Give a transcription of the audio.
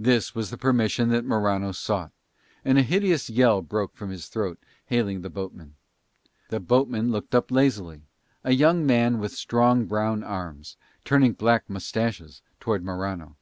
This was the permission that Morano sought, and a hideous yell broke from his throat hailing the boatman. The boatman looked up lazily, a young man with strong brown arms, turning black moustaches towards Morano.